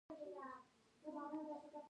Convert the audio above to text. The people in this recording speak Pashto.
ایا ستاسو ږیره به جوړه نه وي؟